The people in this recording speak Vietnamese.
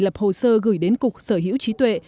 lập hồ sơ gửi đến cục sở hữu trí tuệ